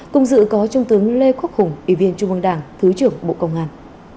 cùng dự có trung tướng lê quốc hùng ủy viên trung ương đảng thứ trưởng bộ công an